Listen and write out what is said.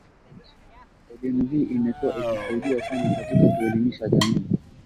elimu hii imekuwa ikisaidia sana katika kuelimisha jamii